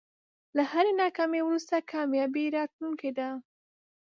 له هری ناکامۍ وروسته کامیابي راتلونکی ده.